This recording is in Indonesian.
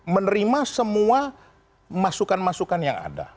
menerima semua masukan masukan yang ada